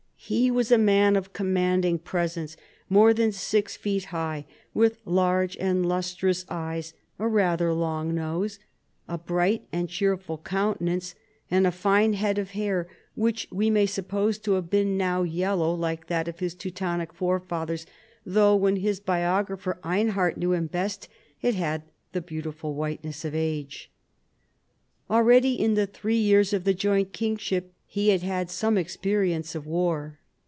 He was a man of commanding pres ence, more than six feet high, with large and lus trous eyes, a rather long nose, a bright and cheerful countenance and a fine head of hair, which we may suppose to have been now yellow like that of his Teutonic forefathers, though when his biographer Einhard knew him best it had the beautiful white ness of age. Already in the three years of the joint kingship he had had some experience of war.